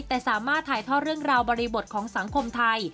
แต่สามารถถ่ายท่อเรื่องราวบริบทของสังคมไทย